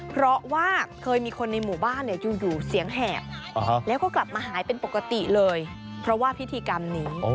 เพราะว่าเคยมีคนในหมู่บ้านอยู่เสียงแหบแล้วก็กลับมาหายเป็นปกติเลยเพราะว่าพิธีกรรมนี้